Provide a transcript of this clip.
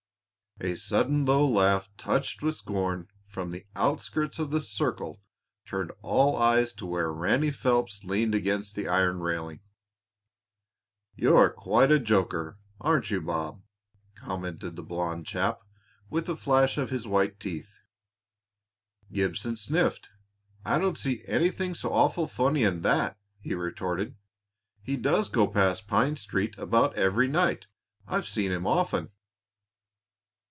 A sudden low laugh touched with scorn, from the outskirts of the circle, turned all eyes to where Ranny Phelps leaned against the iron railing. "You're quite a joker, aren't you, Bob?" commented the blond chap, with a flash of his white teeth. Gibson sniffed. "I don't see anything so awful funny in that," he retorted. "He does go past Pine Street about every night; I've seen him often."